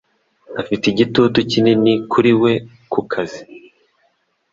Afite igitutu kinini kuri we kukazi